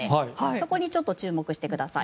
そこにちょっと注目してください。